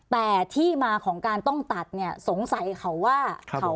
แต่ที่มาของการต้องตัดสงสัยเขาว่า